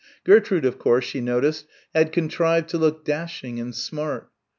Gertrude, of course, she noticed had contrived to look dashing and smart.